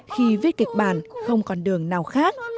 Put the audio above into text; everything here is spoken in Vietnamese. khi viết kịch bản không còn đường nào khác